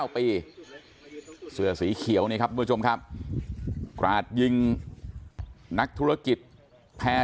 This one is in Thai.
เสื้อสีเขียวนี่ครับทุกผู้ชมครับกราดยิงนักธุรกิจแพร่